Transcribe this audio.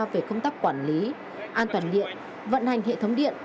về công tác quản lý an toàn điện vận hành hệ thống điện